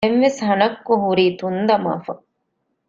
ދެން ވެސް ހަނައްކޮ ހުރީ ތުންދަމާފަ